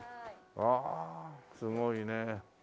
わあすごいねえ。